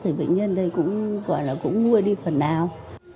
thì bệnh nhân đây cũng mua đi phần nào